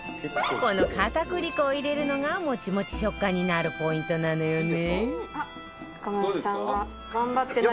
この片栗粉を入れるのがもちもち食感になるポイントなのよね